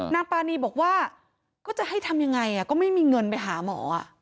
นางปานีบอกว่าก็จะให้ทำยังไงก็ไม่มีเงินไปหาหมอ